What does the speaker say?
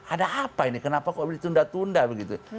ada apa ini kenapa kok ditunda tunda begitu